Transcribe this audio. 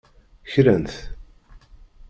Kran-t.